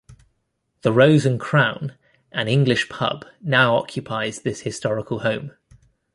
The Rose and Crown, an English Pub, now occupies this historical home.